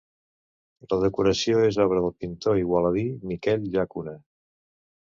La decoració és obra del pintor igualadí Miquel Llacuna.